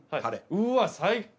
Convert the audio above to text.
うわぁ最高。